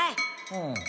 うん。